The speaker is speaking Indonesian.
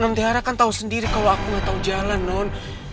non tiara kan tau sendiri kalau aku gak tau jalan non